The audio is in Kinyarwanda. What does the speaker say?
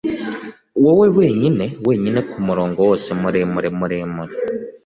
wowe - wenyine wenyine, kumurongo wose muremure, muremure